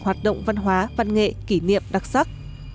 hoạt động văn hóa văn nghệ kỷ niệm đặc sắc